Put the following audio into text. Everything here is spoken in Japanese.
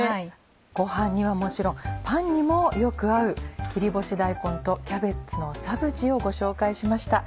ご飯にはもちろんパンにもよく合う「切り干し大根とキャベツのサブジ」をご紹介しました。